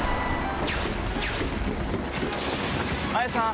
綾さん